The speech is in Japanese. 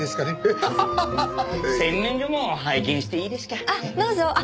どうぞ。